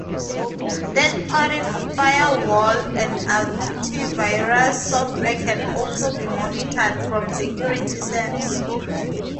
Third-party firewall and antivirus software can also be monitored from Security Center.